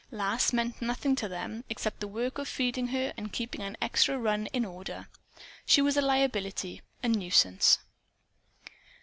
Lass meant nothing to them, except the work of feeding her and of keeping an extra run in order. She was a liability, a nuisance.